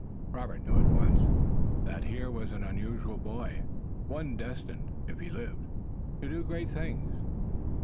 Robert knew at once that here was an unusual boy, one destined if he lived to do great things.